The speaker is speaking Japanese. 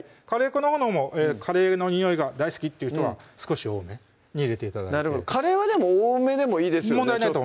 カレー粉のほうもカレーのにおいが大好きっていう人は少し多めに入れて頂いてカレーは多めでもいいですよね